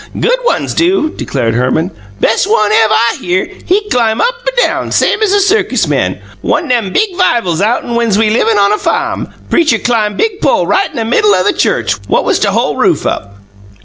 "GOOD ones do," declared Herman. "Bes' one ev' I hear, he clim up an' down same as a circus man. One n'em big 'vivals outen whens we livin' on a fahm, preachuh clim big pole right in a middle o' the church, what was to hol' roof up.